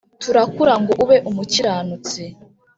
turakura ngo ube umukiranutsi